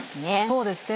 そうですね